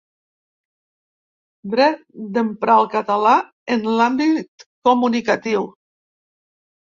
Dret d’emprar el català en l’àmbit comunicatiu.